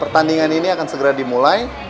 pertandingan ini akan segera dimulai